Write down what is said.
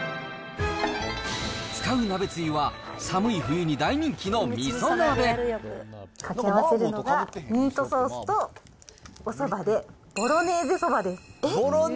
使う鍋つゆは、掛け合わせるのが、ミートソースとおそばでボロネーゼそばです。